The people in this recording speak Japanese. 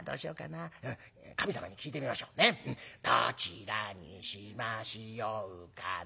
どちらにしましようかな。